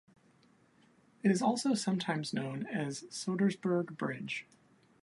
It is also sometimes known as Soudersburg Bridge.